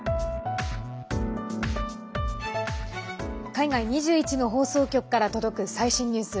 海外２１の放送局から届く最新ニュース。